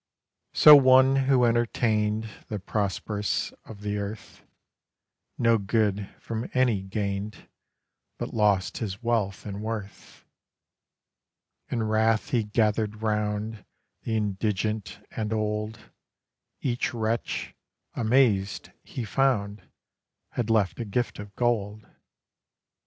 So one who entertain'd The prosperous of the earth; No good from any gain'd, But lost his wealth and worth; In wrath he gather'd round The indigent and old; Each wretch, amazed he found, Had left a gift of gold.